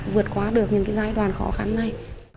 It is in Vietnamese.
vượt qua được những cái giai đoạn khó khăn này